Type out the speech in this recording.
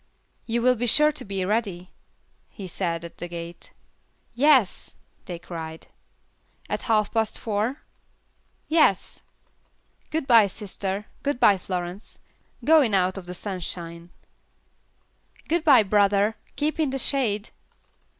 "You will be sure to be ready," he said, at the gate. "Yes," they cried. "At half past four?" "Yes." "Good bye sister; good bye Florence; go in out of the sun." "Good bye, brother, keep in the shade."